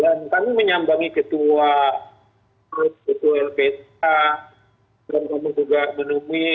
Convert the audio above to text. dan kami menyambangi ketua lpsa dan kami juga menemui bnk